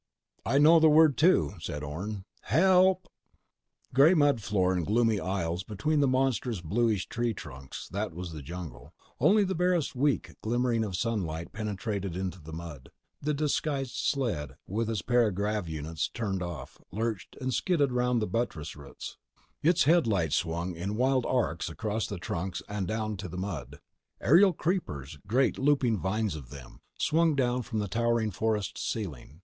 "I know the word, too," said Orne. "HELP!" Gray mud floor and gloomy aisles between monstrous bluish tree trunks—that was the jungle. Only the barest weak glimmering of sunlight penetrated to the mud. The disguised sled—its para grav units turned off—lurched and skidded around buttress roots. Its headlights swung in wild arcs across the trunks and down to the mud. Aerial creepers—great looping vines of them—swung down from the towering forest ceiling.